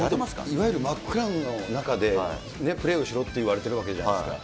いわゆる真っ暗闇の中でプレーをしろっていわれてるわけじゃないですか。